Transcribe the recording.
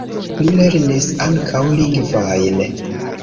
Li lernis ankaŭ lingvojn.